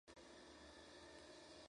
Alta facilidad al desprendimiento.